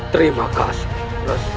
terima kasih resi